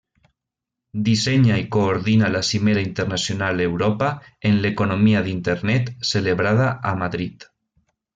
Dissenya i coordina la Cimera internacional Europa en l'Economia d'Internet, celebrada a Madrid.